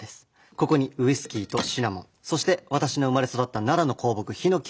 ここにウイスキーとシナモンそして私の生まれ育った奈良の香木ヒノキを入れて香りづけしていきます。